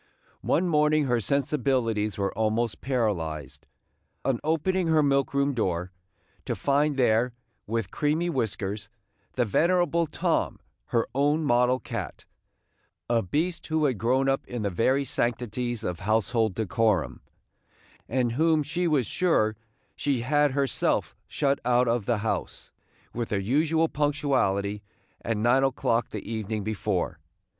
One morning her sensibilities were almost paralyzed, on opening her milk room door, to find there, with creamy whiskers, the venerable Tom, her own model cat, – a beast who had grown up in the very sanctities of household decorum, and whom she was sure she had herself shut out of the house, with her usual punctuality, at nine o'clock the evening before.